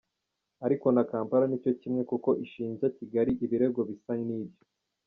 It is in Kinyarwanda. Ariko na Kampala ni cyo kimwe kuko ishinja Kigali ibirego bisa n’ibyo.